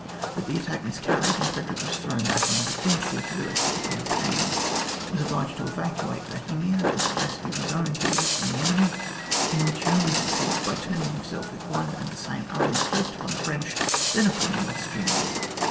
But the attack miscarried, and Frederick was thrown back on the defensive for the rest of the campaign, was obliged to evacuate Bohemia and to rescue his own theatre from the enemy, in which he only succeeded by turning himself with one and the same army, first upon the French, and then upon the Austrians.